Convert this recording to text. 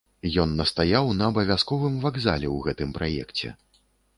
Ён настаяў на абавязковым вакале ў гэтым праекце.